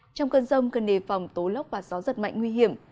trong cơn rông cần nề phòng tố lốc và gió giật mạnh nguy hiểm